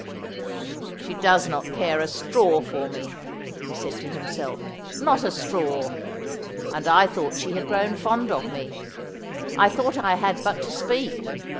' She does not care a straw for me,' he said to himself, ' not a straw. And I thought she had grown fond of me. I thought I had but to speak.'